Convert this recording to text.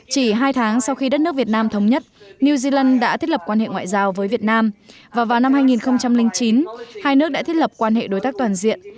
chỉ hai tháng sau khi đất nước việt nam thống nhất new zealand đã thiết lập quan hệ ngoại giao với việt nam và vào năm hai nghìn chín hai nước đã thiết lập quan hệ đối tác toàn diện